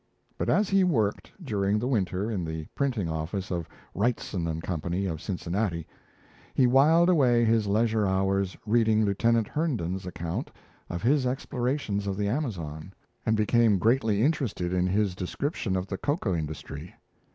But as he worked during the winter in the printing office of Wrightson & Company of Cincinnati, he whiled away his leisure hours reading Lieutenant Herndon's account of his explorations of the Amazon, and became greatly interested in his description of the cocoa industry.